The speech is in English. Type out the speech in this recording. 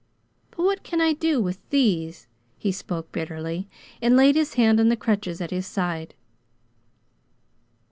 But what can I do, with these?" He spoke bitterly, and laid his hand on the crutches at his side.